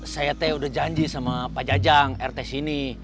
saya teh udah janji sama pak jajang rt sini